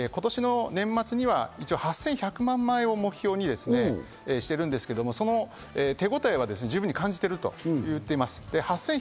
今、総務大臣が今年の年末には８１００万枚を目標にしてるんですけど、その手応えは十分に感じてると言ってます。